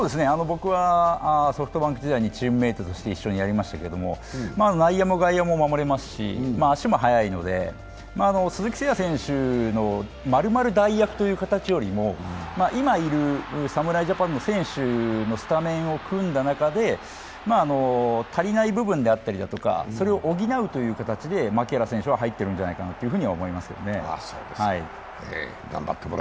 僕はソフトバンク時代にチームメートとして一緒にやりましたけど、内野も外野も守れますし、足も速いので、鈴木誠也選手の丸々代役という形よりも今いる侍ジャパンの選手のスタメンを組んだ中で足りない部分だったり、それを補うという形で牧原選手は入っているんじゃないかなと思いますね。